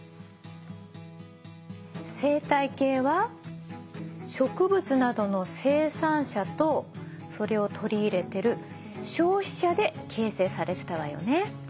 生態系は植物などの生産者とそれを取り入れてる消費者で形成されてたわよね。